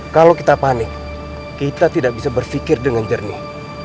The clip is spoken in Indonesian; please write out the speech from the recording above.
kalau kita panik kita tidak bisa berpikir dengan jernih